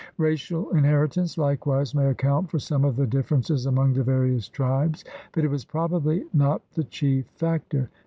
Racial inheritance likewise may account for some of the differences among the various tribes, but it was probably not the chief factor.